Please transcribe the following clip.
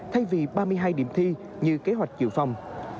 thay vì ba mươi hai điểm thi như kế hoạch dự phòng